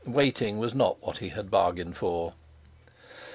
Waiting was not what he had bargained for.